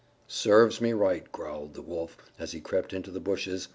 "Serves me right," growled the Wolf as he crept into the bushes.